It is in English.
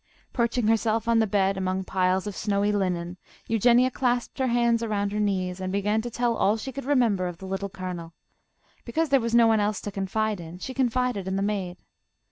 Perching herself on the bed among piles of snowy linen, Eugenia clasped her hands around her knees and began to tell all she could remember of the Little Colonel. Because there was no one else to confide in, she confided in the maid.